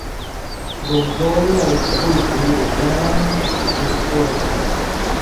Bonvole aŭskultu detalajn informojn.